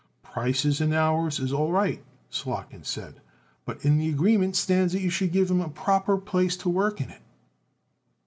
"Prices and hours is all right," Slotkin said, "but in the agreement stands it you should give 'em a proper place to work in it."